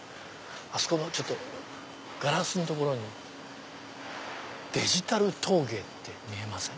あそこのガラスの所に「デジタル陶芸」って見えません？